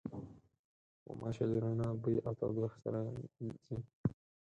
غوماشې له رڼا، بوی او تودوخې سره ځي.